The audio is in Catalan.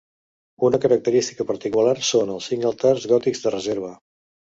Una característica particular són els cinc altars gòtics de reserva.